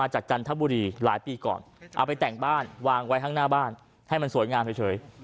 จันทบุรีหลายปีก่อนเอาไปแต่งบ้านวางไว้ข้างหน้าบ้านให้มันสวยงามเฉย